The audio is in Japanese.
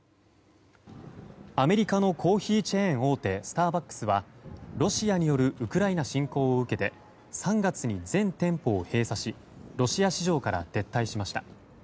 アメリカのコーヒーチェーン大手スターバックスはロシアによるウクライナ侵攻を受けて３月に全店舗を閉鎖しロシア市場から撤退しました。